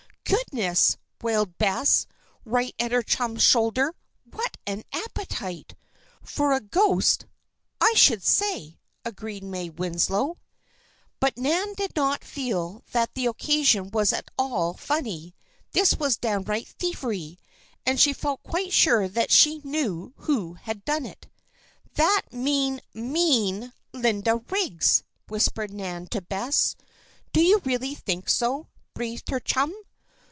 "Goodness!" wailed Bess, right at her chum's shoulder. "What an appetite!" "For a ghost, I should say!" agreed May Winslow. But Nan did not feel that the occasion was at all funny. This was downright thievery. And she felt quite sure that she knew who had done it. "That mean, mean Linda Riggs!" whispered Nan to Bess. "Do you really think so?" breathed her chum.